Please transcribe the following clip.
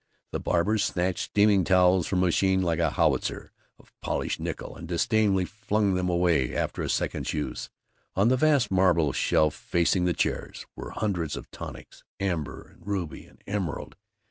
The barbers snatched steaming towels from a machine like a howitzer of polished nickel and disdainfully flung them away after a second's use. On the vast marble shelf facing the chairs were hundreds of tonics, amber and ruby and emerald.